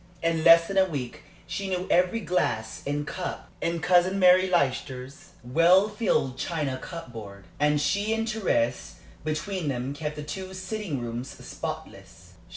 In less than a week she knew every glass and cup in Cousin Mary Leicester's well filled china cupboard, and she and Thérèse between them kept the two sitting rooms spotless.